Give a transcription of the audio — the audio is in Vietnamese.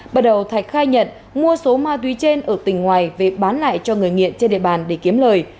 bắt đầu thạch khai nhận mua số ma túy trên ở tỉnh ngoài về bán lại cho người nghiện trên địa bàn để kiếm lời